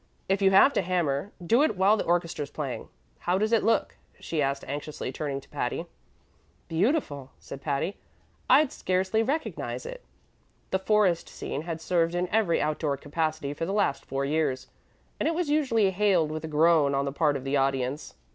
If you have to hammer, do it while the orchestra's playing. How does it look?" she asked anxiously, turning to Patty. "Beautiful," said Patty. "I'd scarcely recognize it." The "forest scene" had served in every outdoor capacity for the last four years, and it was usually hailed with a groan on the part of the audience.